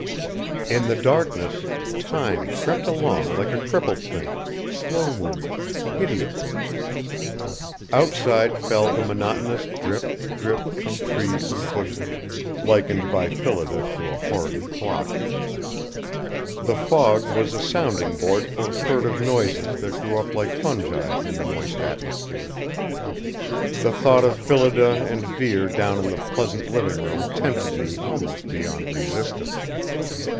In the darkness Time crept along like a crippled thing, slow moving, hideous. Outside fell the monotonous drip, drip from trees and bushes, likened by Phillida to a horrid clock. The fog was a sounding board for furtive noises that grew up like fungi in the moist atmosphere. The thought of Phillida and Vere down in the pleasant living room tempted me almost beyond resistance.